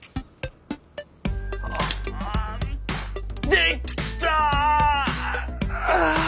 できた！